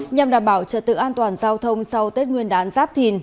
nhằm đảm bảo trật tự an toàn giao thông sau tết nguyên đán giáp thìn